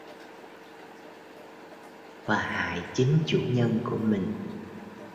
và hại chính chủ nhân của mình